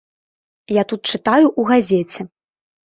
Я тут чытаю ў газеце.